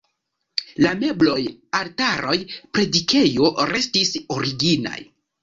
La mebloj, altaroj, predikejo restis originaj.